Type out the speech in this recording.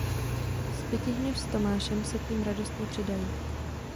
Spytihněv s Tomášem se k nim radostně přidají.